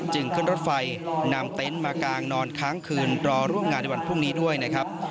จึงขึ้นรถไฟนำเต็นต์มากางนอนค้างคืนรอร่วมงานในวันพรุ่งนี้ด้วยนะครับ